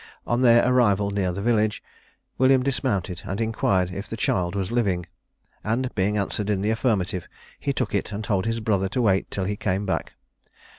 On their arrival near the village, William dismounted and inquired if the child was living; and being answered in the affirmative, he took it and told his brother to wait till he came back.